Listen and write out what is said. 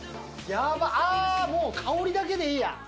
やばっ、ああもう、香りだけでいいや。